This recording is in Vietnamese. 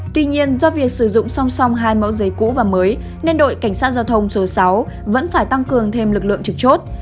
tuy nhiên do việc sử dụng song song hai mẫu giấy cũ và mới nên đội cảnh sát giao thông số sáu vẫn phải tăng cường thêm lực lượng trực chốt